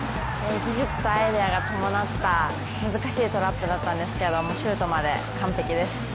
技術とアイデアが伴った難しいトラップだったんですけど、シュートまで完璧です。